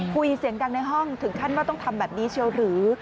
คุยเสียงดังในห้องถึงขั้นว่าต้องทำแบบนี้เชียวหรือ